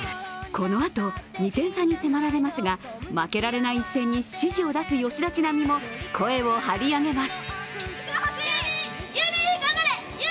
このあと、２点差に迫られますが、負けられない試合に指示を出す、吉田知那美も声を張り上げます。